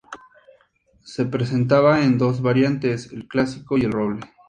Se presentaba en dos variantes: el "clásico" y el "roble".